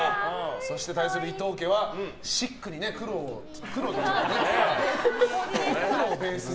そして対する伊藤家はシックに黒をベースに。